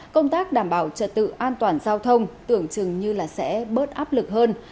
công tác đảm bảo trật tự an toàn giao thông tưởng chừng như sẽ bớt áp lực hơn